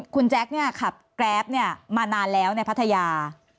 คุณแจ็คเนี่ยขับแกรฟเนี่ยมานานแล้วในพัทยา